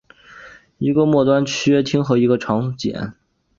一个末端炔烃和一个强碱。